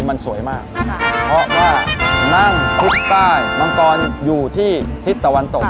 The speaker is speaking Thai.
มันสวยมากเพราะว่านั่งคุกใต้มังกรอยู่ที่ทิศตะวันตก